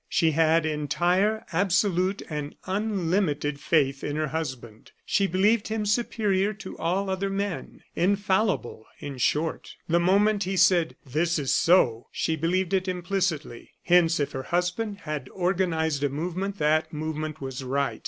She had entire, absolute, and unlimited faith in her husband. She believed him superior to all other men infallible, in short. The moment he said: "This is so!" she believed it implicitly. Hence, if her husband had organized a movement that movement was right.